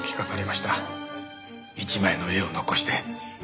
一枚の絵を残して。